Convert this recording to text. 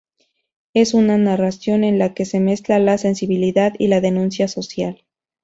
Es una narración en la que se mezcla la sensibilidad y la denuncia social.